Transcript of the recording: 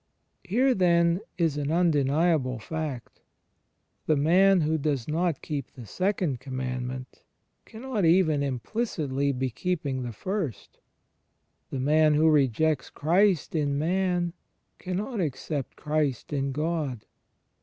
Here then is an imdeniable fact. The man who does not keep the Second Commandment cannot even implicitly be keeping the First: the man who rejects Christ in man cannot accept Christ in God.